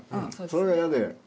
それが嫌で。